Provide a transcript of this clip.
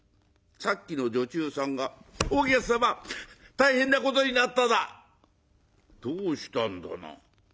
さっきの女中さんが「お客様大変なことになっただ！」。「どうしたんだな？